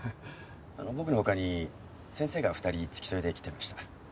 僕の他に先生が２人付き添いで来てました。